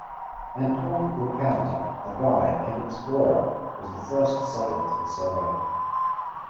Antoine LeCounte, a guide and explorer, was the first settler to this area.